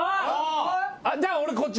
じゃあ俺こっち。